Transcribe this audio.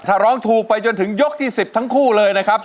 ถ้าร้องถูกไปจนถึงยกที่๑๐ทั้งคู่เลยนะครับ